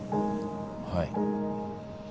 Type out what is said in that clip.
はい。